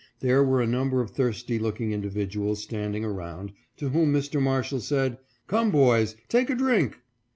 There were a number of thirsty looking individuals standing around, to whom Mr. Marshall said, " Come, boys, take a drink."